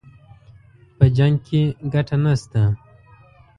په جـنګ كښې ګټه نشته